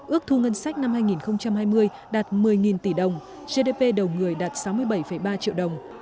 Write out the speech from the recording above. ước thu ngân sách năm hai nghìn hai mươi đạt một mươi tỷ đồng gdp đầu người đạt sáu mươi bảy ba triệu đồng